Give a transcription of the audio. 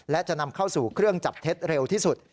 และจะนำเข้าสู่เครื่องจับเท็จเร็วที่สุด